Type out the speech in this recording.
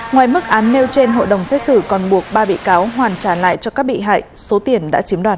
ngoài mức án nêu trên hội đồng xét xử còn buộc ba bị cáo hoàn trả lại cho các bị hại số tiền đã chiếm đoạt